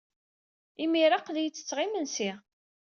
Imir-a, aql-iyi ttetteɣ imensi.